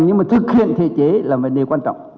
nhưng mà thực hiện thể chế là vấn đề quan trọng